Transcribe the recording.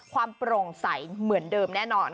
ความโปร่งใสเหมือนเดิมแน่นอน